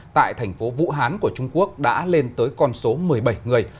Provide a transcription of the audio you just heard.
tại thành phố vũ hán của trung quốc đã lên tới con số một mươi bảy người